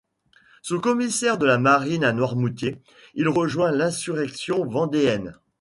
Sous-commissaire de la marine à Noirmoutier, il rejoint l'insurrection vendéenne.